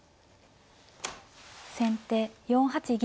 先手４八銀。